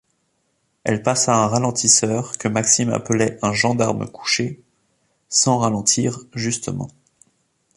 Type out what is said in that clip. Elle passa un ralentisseur, que Maxime appelait un « gendarme couché », sans ralentir, justement.